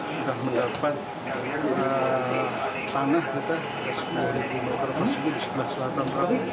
sudah mendapat tanah kita sepuluh meter persegi di sebelah selatan